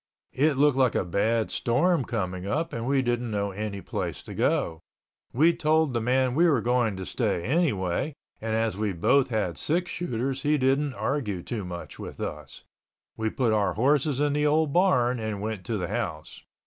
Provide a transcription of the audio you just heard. It looked like a bad storm coming up and we didn't know any place to go. We told the man we were going to stay anyway, and as we both had six shooters he didn't argue too much with us. We put our horses in the old barn and went to the house.